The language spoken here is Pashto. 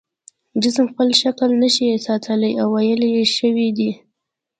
جسم خپل شکل نشي ساتلی او ویلې شوی دی.